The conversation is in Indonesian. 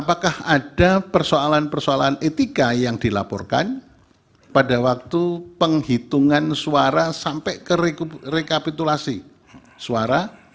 apakah ada persoalan persoalan etika yang dilaporkan pada waktu penghitungan suara sampai ke rekapitulasi suara